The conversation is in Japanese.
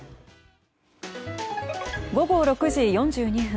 午後６時４２分。